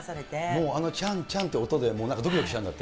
もうあの、ちゃんちゃんっていう音で、どきどきしたんだって？